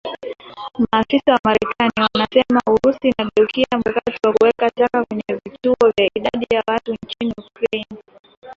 Maafisa wa marekani wanasema Urusi inageukia mkakati wa kuweka taka kwenye vituo vya idadi ya watu nchini Ukraine